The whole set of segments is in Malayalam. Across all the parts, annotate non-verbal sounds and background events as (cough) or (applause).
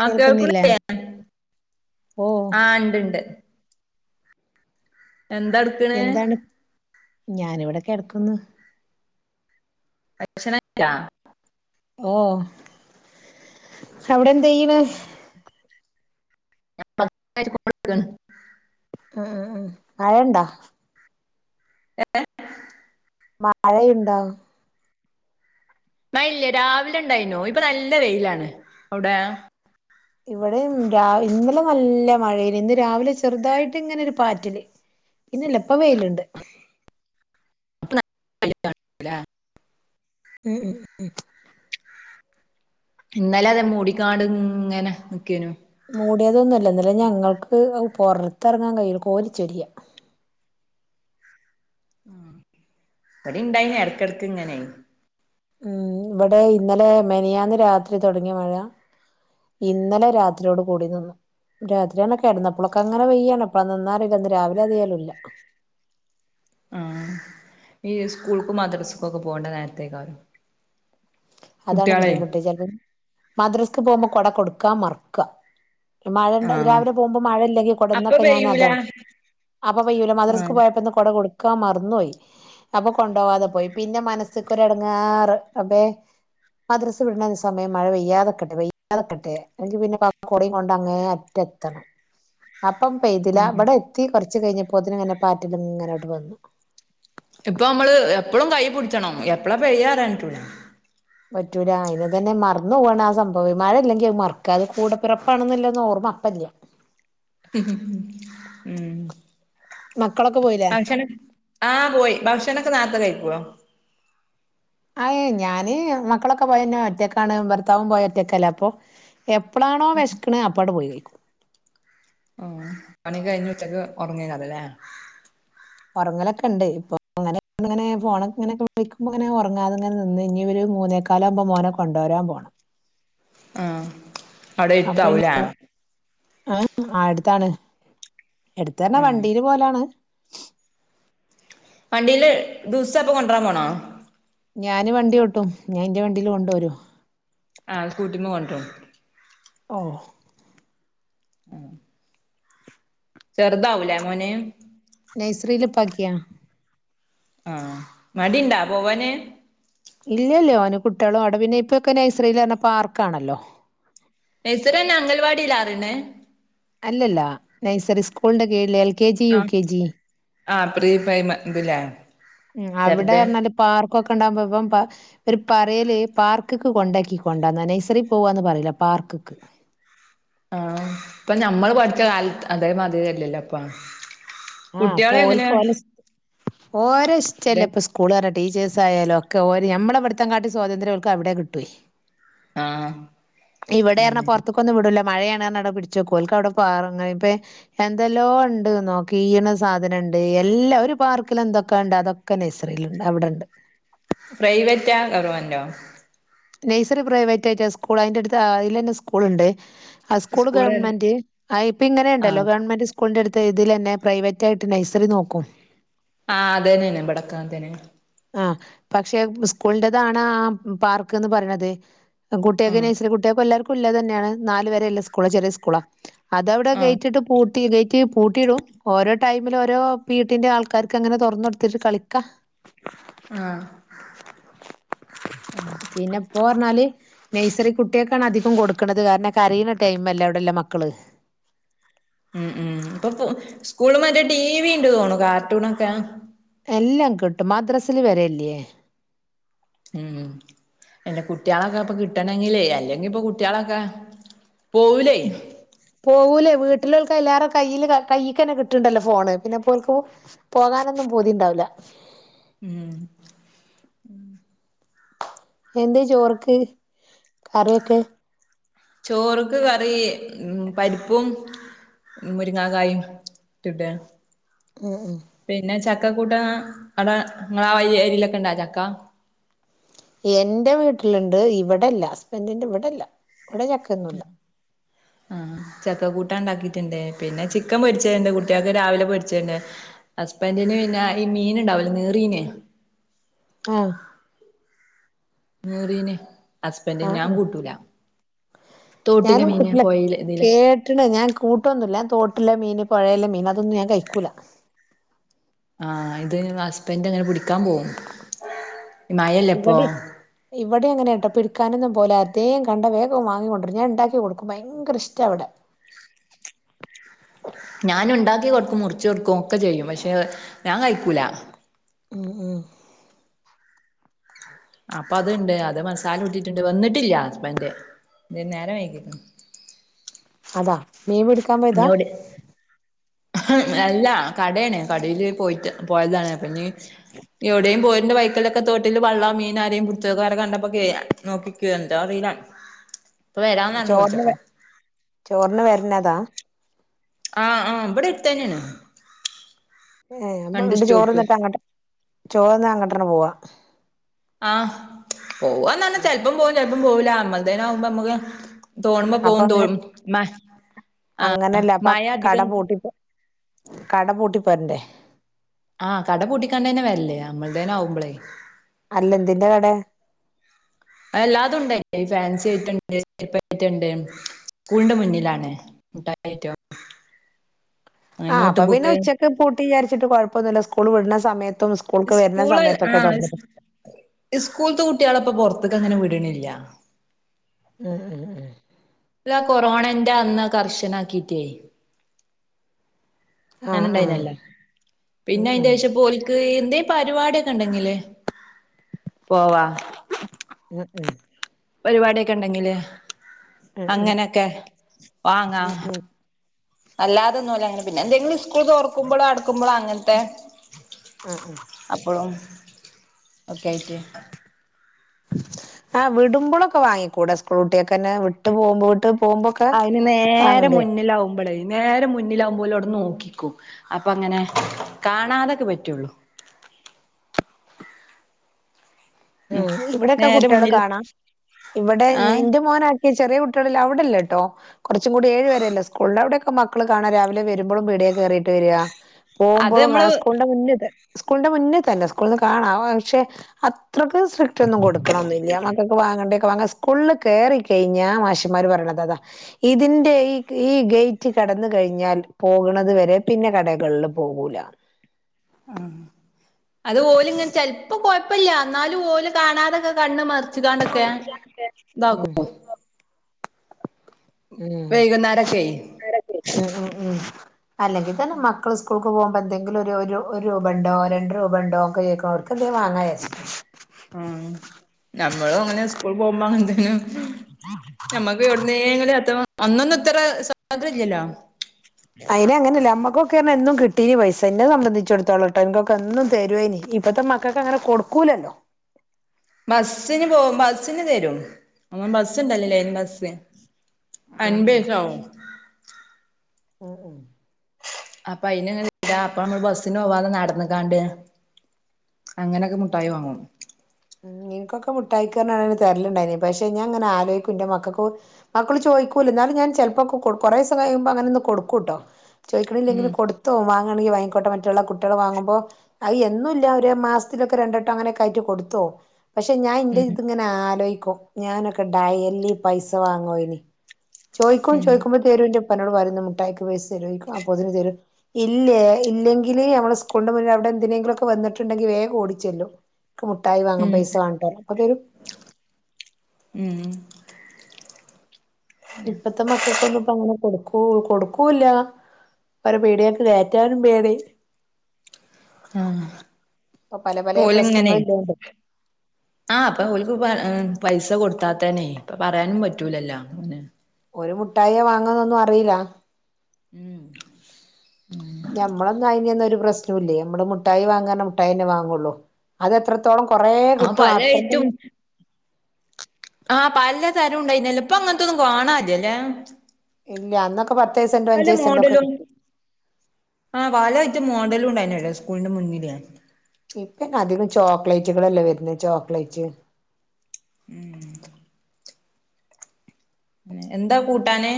ആ കേൾക്കുന്നില്ലേ കേൾക്ക്ണിലേ ഓ ആഹ് ണ്ട് ണ്ട് എന്താടുക്കണ് ഞാന് ഇവിടെ കെടക്കുന്നു (unintelligible) ഓ അവിടെ എന്ത്ചെയ്ണ് (unintelligible) മഴണ്ടോ ഏ മഴയുണ്ടോ മഴല്ലേ രാവിലെ ഉണ്ടായിനു ഇപ്പൊ നല്ല വെയിലാണ്. അവിടെ ഇവിടെ രാവ് ഇന്നലെ നല്ല മഴയില് ഇന്ന് രാവിലെ ചെറുതായിട്ട് ഇങ്ങനെ ഒരു പാറ്റല് ഇന്നില്ല ഇപ്പ വെയിലുണ്ട്. (unintelligible) ഉം ഉം ഇന്നലെ അത് മൂടിക്കാണ്ട് ഇങ്ങനെ നിക്കനു. മൂടലൊന്നുമല്ല ഇന്നല്ലേ ഞങ്ങൾക്ക് പുറത്ത് ഇറങ്ങാൻ കയ്യില കോരിച്ചൊരിയ. (inaudible) ഉം അത് ഇണ്ടാങ്ങിനെ എടകടക് ഇങ്ങനെ ഉം ഇവിടെ ഇന്നലെ മെനിയാന്ന് രാത്രി തുടങ്ങിയ മഴ ഇന്നലെ രാത്രിയോട് കൂടി നിന്നു. രാത്രിയന്ന കെടന്നപ്പളൊക്കെ അങ്ങനെ വെയ്യാണ് അപ്പളാ നിന്നാറിയില്ല അന്ന് രാവിലെ അതിയാലും ഇല്ല. (inaudible) ആ ഈ സ്കൂൾക്കും മദ്രസക്കും ഒക്കെ പോകണ്ട നേരത്തേക്ക ആ അതാണ് ബുദ്ധിമുട്ട് ചിലപ്പോം മദ്രാസ്ക്ക് പോകുമ്പോ കൊട കൊടുക്കാ മറക്ക. മഴണ്ട്ത് ആഹ് രാവിലെ പോകുമ്പോ മഴ ഇല്ലെങ്കി അപ്പൊ കൊടന്നൊക്കെ പെയ്യൂല ഞാനൻതാണ്. അപ്പൊ പയ്യോ മദ്രസക്ക് ആഹ് പോയപ്പോ എന്ത കൊട കൊടുക്കു കാൻ മറന്നു പോയി അപ്പൊ കൊണ്ടുപോവാതെ പോയി പിന്നെ മനസ്സക്ക ഒരടങ്ങാറ് അപ്പേ മദ്രസ വിടുന്നസമയം മഴ പെയ്യാതെക്കെട്ടെ വെയ്യാതെട്ടെ എങ്കി പിന്നെ കൊടയും കൊണ്ടങ്ങനെ റ്റെത്തണം. അപ്പം പെയ്തില ഉം അവിടെ എത്തി കൊറച്ച് കഴിഞ്ഞപ്പോതിനന് ഇങ്ങനെ പാറ്റല് ഇങ്ങനെട്ട് വന്നു. ഇപ്പൊ നമ്മള് എപ്പളും കൈ പിടിച്ചണം എപ്പളാ പയ്യ പറയാ റ്റൂല പറ്റൂല അതിനെ തന്നെ മറന്നു പോകണം ആ സംഭവം. മഴ അല്ലെങ്കിൽ അത് മറക്കാതെ കൂടെ പിറപ്പാണെന്നല്ല ഓർമ്മ അപ്പല്യ മ് മ് മ് ഉം മക്കളൊക്കെ പോയില്ലേ ഭക്ഷണം. ആ പോയി ഭക്ഷണൊക്കെ നേരത്തേ കഴക്കുവോ ആയ് ഞാന് മക്കളൊക്കെ പോയന്നെ ഒറ്റക്കാണ് ഭർത്താവും പോയ ഒറ്റക്കല്ലേ അപ്പൊ എപ്പോഴാണോ വിശക്കണ അപ്പാടെ പോയി കഴിക്കും. ഉം പണി കഴിഞ്ഞ്ഉച്ചക്ക് ഉറങ്ങിതാണല്ലേ? ഉറങ്ങലൊക്കെ ഉണ്ട്. ഇപ്പൊ അങ്ങനെ ഇങ്ങനെ ഫോണങ്ങനെ തു വിളിക്കുമ്പോങ്ങനെ ഉറങ്ങാതെങ്ങെ നിന്ന് ഇവര് മൂന്ന് മൂന്നേക്കാലക്കുമ്പോ മോനെ കൊണ്ടുവരാൻ പോണം. ആ അവിടെ അപ്പൊ ഇരുത്താവൂലേ ന്നെ ആ അടുത്താണ്. എടുത്തന്നെ ഉം വണ്ടീല് പോലാണ്. വണ്ടീയില് ദിവസപ്പൊ കൊണ്ടുവരാൻ പോണോ? ഞാന് വണ്ടി ഓട്ടും. ഞാൻ ന്റെ വണ്ടിൽ കൊണ്ടുവരും. ആ സ്കൂട്ടിമ്മെ കൊണ്ടറോ. ഓ മ് ചെറുതാവുലെ മോന്. നൈസറിൽപ്പാക്കിയാ. ആ മടിണ്ടാ പോവാന് ഇല്ലല്ലോ ഒന് കുട്ടികളും അവിടെ പിന്നെ ഇപ്പൊക്കെ നൈസ്രൽ പറഞ്ഞ പാർക്കാണല്ലോ. നൈസറിന്ന് പറഞ്ഞ അംഗൽവാടിയിലറിയുന്ന്. ല്ലല്ല നൈസറി സ്കൂളിന്റെ കീഴില് എൽ കെ ജി, ആ യൂ കെ ജി ആ പ്രീ പ്രൈമ ഇതില്ലേ ഉം ചെറുത് അവിടെന്നറഞ്ഞാൽ പാർ കൊക്കെണ്ടാകുമ്പോ ഇബൻ പ ഒര് പറയല് പാർക്ക് കൊണ്ടാക്കികൊണ്ടന്ന നഴ്റി പോകാന്ന് പറയില്ല പ പാർക്ക്ക്ക് ആ ഇപ്പൊ ഞമ്മൾ പഠിച്ച കാലത്ത് അതേമാതിരില്ലല്ലോ ഇപ്പ ആ ആഹ് കുട്ട്യേൾ അപ്പൊ എങ്ങനെ ഓൽക്ക് ഓലെ ഇഷ് ഓരെ ഇഷ്ടല്ലെപ്പോ സ്കൂൾന്ന് പറ ടീച്ചേഴ്സായാലോ ഒക്കെ ഓര് ഞമ്മളെ അവിടുങ്ങാട്ടി സ്വാതന്ത്ര്യം ഓല്ക് അവിടെ കിട്ടോയ്. ആ ഇവിടെറഞ്ഞ അങ്ങനെ പൊറത്തുക്കൊന്നും വിടൂല മഴയാണ്റഞ്ഞ് അവിടെ പിടിചെക്കോല്കവിടെ പാറ ഇപ്പൊ എന്തെല്ലോ ഇണ്ട്ന്നോ കീണ സാധനണ്ട് എല്ലാ ഒരു പാർക്കിൽ എന്തൊക്കെ ഉണ്ട് അതൊക്കെ നഴ്സറിയിലുണ്ട് അവിടെണ്ട്. പ്രൈവറ്റാ ഗവർമെന്റോ നഴ്സറി പ്രൈവറ്റായിട്ട് സ്കൂൾ അതിന്റെ അടുത്ത് അതിലെന്നെ സ്കൂളുണ്ട്. ആ സ്കൂൾ സ്കൂള് ഗവൺമെന്റ് ആഹ് പ്പങ്ങനെ ഇണ്ടല്ലോ ആ ഗവൺമെന്റ് സ്കൂളിന്റെ അടുത്‌ ഇതിലന്നെ പ്രൈവറ്റ് ആയിട്ട് നൈസറി നോക്കും. ആഹ് അതെ തന്നെ ഇവടെക്കെ അങ്ങനെത്തന്നെണ്. ആ പക്ഷെ സ്കൂളിന്റെതാണ് ആ പാർക്ക്ന്ന് പറയണത്. കുട്ടേക് ആഹ് നൈസറി കുട്ടേക്കും എല്ലാവർക്കുല്ലതന്നേണ് നാല് വരേല്ല സ്കൂള് ചെറിയ സ്കൂളാ അതവിടെ ആഹ് ഗെയ്റ്റിട്ട് പൂ ട്ടി ഗേറ്റ് പൂട്ടിയിടും ഓരോ ടൈമില് ഓരോ പീട്ടിന്റെ ആൾക്കാർക്ക് അങ്ങനെ തുറന്നൊടുത്തിട്ട് കളിക്ക. ആഹ് പിന്നെ പ്പോറഞ്ഞാല് നെയ്സറി കുട്ടിയെക്കാണ് അധികം കൊടുക്കണത്. കാരണം കരയ്ണ ടൈമല്ലേ അവിടെല്ലാം മക്കള്. ഉം ഉം ഇപ്പൊ പോ സ്കൂള് മറ്റേ ടിവിണ്ട് തോന്നുണു കാർട്ടൂൺൊക്കെ എല്ലാം കിട്ടും മദ്റസ്സില് വരെല്ലേ. ഉം എന്റെ കുട്ട്യേലൊക്കെ ഇപ്പൊ കിട്ടണങ്കിലേ അല്ലെങ്കിപ്പൊ കുട്ടികളൊക്കെ പോവൂലേ പോകൂലേ വീട്ടിലൊൽക് എല്ലാരെ കയ്യില് കയ്യിക്കന്നെ കിട്ട്ണ്ടല്ലോ ഫോണ്. പിന്നെപ്പോൽകും പോകാനൊന്നും പൂതിണ്ടാകൂല. ല്ല ഉം എന്ത് ചോറ്ക്ക് കറിയൊക്കെ ചോറ്ക്ക് കറി ഉം പരിപ്പും മുരിങ്ങകായും ഇട്ടിട്ട് ഉം ഉം പിന്നെ ച ചക്കകൂട്ടാ അവിട നിങ്ങളാ വഴി എരിലൊക്കെ ഇണ്ടാ ചക്ക. എന്റെ വീട്ടിലുണ്ട്. ഇവിടെല്ല ഹസ്ബന്റിന്റെ വിടെല്ല. ഇവിടെ ചക്കന്നുല്ല. ആ ചക്കക്കൂട്ടാണ്ടാക്കിട്ടുണ്ട്. പിന്നെ ചിക്കൻ പൊരിച്ചതുണ്ട് കുട്ടികൾക്ക് രാവിലെ പൊരിച്ചത്ണ്ട്. ഹസ്ബൻ എന്റേന് പിന്നെ ഈ മീനുണ്ടാവൂലെ നീറീന്. ആ നറീനെ ഹസ്ബൻഡ ആഹ് ഞാൻ ഉം കൂട്ടൂല തോട്ടിലെ ഞാനും മീന് കൂട്ടില്ല പൊഴയിലെ ഇതിലെ കേട്ടണ ഞാൻ കൂട്ടൊന്നുംല്ല തോട്ടില്ല മീന പുഴയല്ല മീൻ അതൊന്നും ഞാൻ കഴിക്കൂല ആ ഇത് ഹസ്ബൻറ് അങ്ങനെ പിടിക്കാൻ പോകും ഇ മഴ അല്ലിപ്പോ ഇവിടെ അങ്ങനൊട്ടോ പിടിക്കാനൊന്നും പോലെ അതേം കണ്ട വേഗം വാങ്ങിക്കൊണ്ടിര ഞാ ഉണ്ടാക്കി കൊടുക്കും ഭയങ്കര ഇഷ്ട അവിടെ ഞാൻ ഉണ്ടാക്കി കൊടുക്കും മുറച്ച് കൊടുക്കും ഒക്കെ ചെയ്യും പക്ഷെ ഞാൻ കഴിക്കൂല ഉം ഉം അപ്പൊ അത്ണ്ട് അത് മസാല ഇട്ടിട്ടുണ്ട് വന്നിട്ടില്ല ഹസ്ബൻ് ഇ നേരം വൈക്കിക്കണം അതാ മീ പി പിടിക്കാൻ പോയതാ ഇഞ്ഞോട് അല്ല കടയാണ് കടയില് പോയിട്ട പോയതാണ് പിന്നെ എവിടെയും പോന്റെ ബൈക്കലൊക്കെ തോ വട്ടില് വെള്ള മീന ആരെയും പുത്തക്കാരെ കണ്ടപ്പോ കേ നോക്കിക്കു എന്താ അറില ചോറിന് ചോറിന് വരണതാ ആഹ് ആഹ് ഇവിടെ അടുത്തന്നെയാണ് ഏ രണ്ട് അപ്പ് ചോറ് സ്റ്റോപ്പ് തിന്നിട്ട് അങ്ങട്ട് ചോറ് തിന്നിട്ട് അങ്ങോട്ടന്നെ പോവാ ആഹ് പോവാന്നർഞ്ഞ ചെല്പ്പം പോവും ചെല്പ്പം പോവൂല അമ്മൾത്തെനാവുമ്പോ അമ്മ (unintelligible) തോന്നുമ്പം അപ്പൊ പോവും അങ്ങനെ തോം മ ആഹ് അങ്ങനെയല്ല അപ്പൊ മഴ കട ധികം പൂട്ടി കട പൂട്ടി പോരണ്ടേ. ആഹ് കട പൊട്ടിക്കാണ്ടേന്നെ വെര്ല് അമ്മൾ തേനാവുമ്പളേ അല്ലെന്തിന്റെ കട ആ എല്ലാതും ഉണ്ടേ ഫാൻസി ഐറ്റമുണ്ട് ചെരുപ്പ് ഐറ്റമുണ്ട് സകൂളിന്റെ മുന്നിലാണ് മുട്ടായി ഐറ്റം അങ്ങനെ ആഹ് നോട്ട് അപ്പ പിന്നെ ബുക്ക് ഉച്ചയ്ക്ക് പൂട്ടി വിചാരിച്ചിട്ട് കുഴപ്പവൊന്നുമില്ല സ്കൂള് വിടുന്ന സമയ സ്കൂള് ആ സ്കൂളിത്തെ കുട്ടികളപ്പൊ പുറ ത്തേക്കങ്ങനെ വിടണില്ല ആഹ് ആഹ് ആഹ് എന്റെ അന്ന് കർശനം ആക്കീട്ടേ ആ ഞാന് ആ ഇണ്ടായിന്നല്ല ഉം പിന്നെ അതിന്റെ ഉം ശേഷം ഇപ്പോ ഓൽക്ക് എന്തേലും പരിപാടിയൊക്കെ ഉണ്ടെങ്കിലേ പോവാം ഉം ഉം പരിപാടിയൊക്കെ ഉണ്ടെങ്കില് ഉം ഉം അങ്ങനെയൊക്കെ ഉം വാങ്ങാം ഉം അല്ലാതൊന്നും ഓല് അങ്ങനെ പിന്നെ എന്തെങ്കിലും സ്കൂൾ തൊറക്കുമ്പോഴോ അടുക്കുമ്പോഴോ അങ്ങനത്തെ ആ ആ അപ്പഴും ഒക്കെ ആയിട്ട് ആ വിടുമ്പളൊക്കെ വാങ്ങിക്കൂടെ സ്കൂൾ കുട്ടികൾക്ക് തന്നെ വിട്ട് പോകുമ്പോ വിട്ട് പോകുമ്പോക്കെ അതിന് നേരെ വാങ്ങണ്ടേ മുന്നിലാവുമ്പോളേ നേരെ മുന്നിലാകുമ്പോ ഓല് അവിടെ നോക്കി നിക്കും അപ്പ അങ്ങനെ കാണാതൊക്കെ പറ്റൂള്ളു ഉം ഇവിടൊക്കെ നേരെ കുട്ടികള് മുന്നിൽ കാണാം ഇവിടെ ആഹ് എന്റെ മോനാ ഈ ചെറിയ കുട്ടികളില്ല അവിടില്ല കേട്ടോ കുറച്ചും കൂടി ഏഴ് വരയല്ലേ സ്കൂളൊള്ളൂ അവിടെയൊക്കെ മക്കൾ കാണാം രാവിലെ വരുമ്പോഴും (unintelligible) കേറിയിട്ട് വരിക അത് പോകുമ്പോഴും നമ്മള് കാണാം സ്കൂളിന്റെ മുന്നിൽ സ്കൂളിന്റെ മുന്നിൽ തന്നെ സ്കൂളിൽ നിന്ന് ന്ന് കാണാം പക്ഷെ അ ത്രക്ക് സ്ട്രിക്റ്റൊന്നും കൊടുക്കണോന്നില്ല മക്കൾക്ക് വാങ്ങേണ്ട തൊക്കെ സ്കൂളില് കേറി കഴിഞ്ഞാ മാഷൻമാര് പറയണത് അതാ ഇതിന്റെ ഈ ഈ ഗേറ്റ് ക കടന്ന് കഴിഞ്ഞാൽ പോകുന്നത് വരെ പിന്നെ കടകളിൽ പോകൂല ആഹ് അത് ഓല്ങ്ങൻ ചെൽപ്പോ കൊഴപ്പല്ല ന്നാലും ഓല് കാണാതൊക്കെ കണ്ണ് മർ ച് കാണ്ടൊക്കെ ഉം ഇതാകും വൈകുന്നേരക്കെ ഉ ഉം ഉം അല്ലെങ്കി തന്നെ മക്കള് സ്കൂൾ പ്പ പോഉമ്പ എന്തെങ്കിലും ഒരു ഒരു ഒ രൂപണ്ടോ രണ്ട് രൂപണ്ടോ ഒക്കെ ചോയ്ക്കു അവർക്ക് എന്തേ വാങ്ങായാര്ച്ട്ട് ആഹ് ഞമ്മളും അങ്ങനെ സ്കൂൾ പോഉമ്പ എന്തെങ്കിലു ഞമ്മക്ക് ഇവിടുന്നേങ്കിലു എത്രോ അന്നൊന്ന് ഇത്ര (unintelligible) ഇല്യല്ലോ അയിന് അങ്ങനെയല്ല അമ്മക്കൊക്കെർഞ എന്നും കിട്ടീ പൈസ എന്നെ സംബന്ധിച്ചെടുത്തോളട്ടോ ഇൻക്കൊക്കെ എന്നും തരുവേന് ഇപ്പത്തെ മക്കൾക്ക് അങ്ങനെ കൊടുക്കൂലല്ലോ ബസിന് പോ ബസിന് തരു അമ്മ ബസ്ണ്ടല്ലോ ലൈൻ ബസ് ഉം ഉം അൻബേേഷ ആവും ഉം ഉം അപ്പൊ അയിന്ങ്ങനെ (unintelligible) അപ്പൊ നമ്മള് ബസ്സിന് പോവാതെ നടന്ന്ക്കാണ്ട് അങ്ങനൊക്കെ മുട്ടായി വാങ്ങും നിൻക്കൊക്കെ മുട്ടായിക്കർഞ് തര്ല്ണ്ടായിഞ്ഞി പഷേ ഞാങ്ങനെ ആലോയ്ക്കു ന്റെ മക്കൾക്കു മക്കള്ന്നു ചോ ഒയ്കൂല ന്നാലു ഞാൻ ചെൽപ്പോക്കെ കൊടുക്കു. കൊറേസൊ കയുമ്പോ അങ്ങേനൊന്ന് കൊടുക്കു ട്ടൊ. ചോയ്ക്ണില്ലെങ്കില് ഉം കൊട്ത്തോഉ വാ ങ്ങളീ വാങ്ങിക്കൊട്ടൊ മറ്റുള്ള കുട്ടികൾ വാങ്ങുമ്പോ അഹ് എന്നുല്ല ഒരു മാസത്തിലൊക്കെ രണ്ടോട്ടം അങ്ങനൊക്കെ ആയി് ട്ട് കൊടു ത്തൊ പക്ഷെ ഞാൻ ഇന്റെ ഉം ഇതിങ്ങനെ ആലോയ് ക്കു ഞാനൊക്കെ ഡയലി പൈസ വാങ്ങോയിരുന്നു. ചോയ്ക്കും ചോയ്ക്കുമ്പ തേരുന്റെ പ്പനോട്‌ വരുന്ന മുട്ടായിക്ക് പേസരീ അപ്പൊതിന് തരും. ഇല്ല ഇല്ലെങ്കിൽ നമ്മൾ സ്കൂളിന്റെ മുന്നേ അവിടെ എന്തിനെങ്കിലൊക്കെ വന്നിട്ടുണ്ടെങ്കി വേഗോടിച്ചല്ലു. ഇക്ക് മു ട്ടായി വാങ്ങാൻ ഉം പൈസ വാങ്ങിട്ടരാ അപ്പൊ തരും ഉം ഇപ്പത്തെ മക്കൾക്കൊന്നു പ്പ ങ്ങനെ കൊടുക്കൂ കൊടുക്കൂല്ല ഓരെ പീടിയേക്ക് കേറ്റാനും പേടി ആഹ് ഇപ്പൊ പല പല ഇപ്പോല്ങ്ങനെ പ്രശ്നങ്ങളില്ലോണ്ട് ആഹ് ഇപ്പൊ ഓൽക്ക് പ്പൊ പൈസ കൊടുത്താത്തെനെ ഇപ്പ പറയാനും പറ്റൂലല്ലോ അങ്ങനെ ഓര് മുട്ടായി വാങ്ങാന്നൊന്നും അറീല. ഉം ഞമ്മളൊന്നും അയ്ഞൊന്നും ഒരു പ്രശ് ച്ചൂല്ല്യേ നമ്മള് മുട്ടായി വാങ്ങാർണാ മുട്ടായെന്നെ വാങ്ങൊള്ളൂ അതെത്ര ത്തോളം കൊറേ ആഹ് കിട്ടും പല അത്രക്കും ഐറ്റും ആഹ് പല തരും ഇണ്ടായ്ന്നല്ലോ ഇപ്പ അങ്ങനത്തൊന്നും കാണില്ല്യലേ. ഇല്ല്യ അന്നൊ പല മോഡലും ആ വാല റ്റ് മോഡലും ഉണ്ടായ്നല്ലോ സ്കൂളിന്റെ മുന്നില് ഇപ്പന്നെ അധികും ചോക്ലേറ്റുകളല്ലേ വര്ന് ചോക്ലേറ്റ് ഉം ഉം എന്താ കൂട്ടാന്?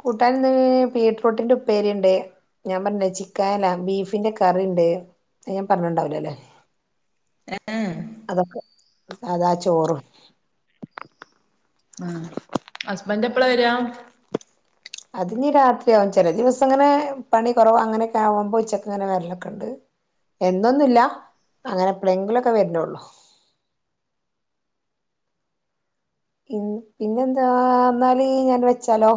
കൂട്ടാന് ന്ന് ബീട്രൂട്ടിന്റെ ഉപ്പേരിണ്ട് ഞാൻ പറഞ്ഞിലേ ചിക്കനല്ല ബീഫിന്റെ കറി അത് ഞാൻ പറഞ്ഞ്ണ്ടാവൂല ലേ അതൊക്കെ സാദാ ചോറും ആഹ് ഹസ്ബൻറ് എപ്പളാ വരാ അത് ഇഞ്ഞി രാത്രിയാവും ചെല ദിവസം ഇങ്ങനെ പണി കൊറവ് അങ്ങനൊക്കെ ആവുമ്പോ ഉച്ചക്ക് ഇങ്ങനെ വരലൊക്കെ ഇണ്ട്. എന്നൊന്നുംല്ല അങ്ങനെ എപ്പളേങ്കിലൊക്കെ വര്നൊള്ളൂ ഇൻ പിന്നെന്താ ഇന്നാല് ഞാൻ വെച്ചാലോ